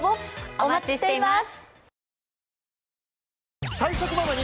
お待ちしています。